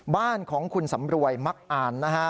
บ้านของคุณสำรวยมักอ่านนะฮะ